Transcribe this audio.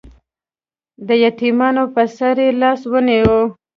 د یتیمانو په سر یې لاس ونیو.